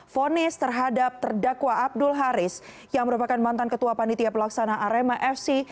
fonis terhadap terdakwa abdul haris yang merupakan mantan ketua panitia pelaksana arema fc